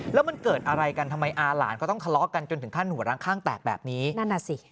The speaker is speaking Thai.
แล้วมันเกิดอะไรกันทำไมอาหลานเขาต้องคะลอกกันจนถึงขั้นหัวรังข้างแตกแบบนี้